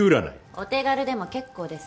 お手軽でも結構です。